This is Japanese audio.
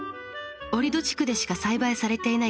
折戸地区でしか栽培されていない